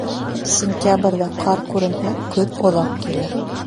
Сентябрҙә ҡар күренһә, көҙ оҙаҡ килер.